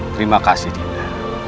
terima kasih dinda